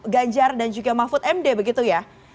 ganjar dan juga mahfud md begitu ya